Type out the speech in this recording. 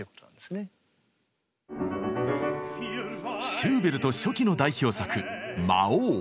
シューベルト初期の代表作「魔王」。